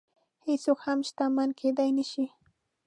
هېڅوک هم شتمن کېدلی نه شي.